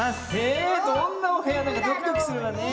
えどんなおへやなのかドキドキするわねえ。